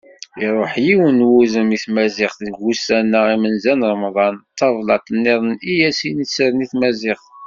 Iruḥ yiwen n wudem i tmaziɣt deg wussan-a imenza n Remḍan, d tablaḍt nniḍen i as-inesren i tmaziɣt.